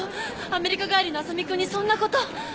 アメリカ帰りの麻実君にそんなこと。